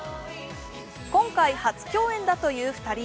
今回、初共演だという２人。